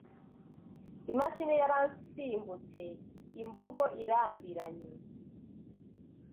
“Imashini yaransimbutse” imvugo irambiranye